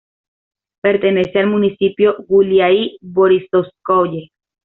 Pertenece al municipio Guliái-Borísovskoye.